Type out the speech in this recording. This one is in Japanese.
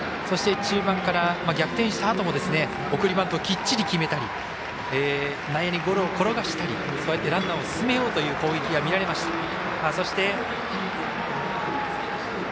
そして、中盤から逆転したあとも送りバントをきっちり決めたり内野にゴロを転がしたりランナーを進めようという攻撃が見られました。